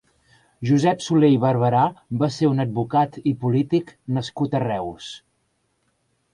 Josep Solé i Barberà va ser un advocat i polític nascut a Reus.